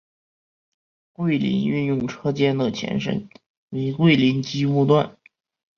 桂林运用车间的前身为桂林机务段。